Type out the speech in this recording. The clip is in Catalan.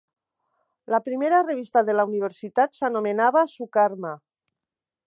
La primera revista de la universitat s'anomenava "Sukarma".